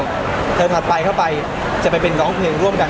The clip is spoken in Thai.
ก็แบบเรื่องในเวลาไปเข้าไปจะไปเป็นร้องเพลงร่วมกัน